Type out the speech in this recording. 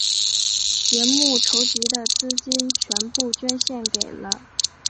节目筹集的资金全部捐献给了。